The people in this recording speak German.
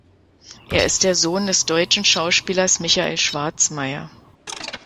Er ist der Sohn des deutschen Schauspielers Michael Schwarzmaier.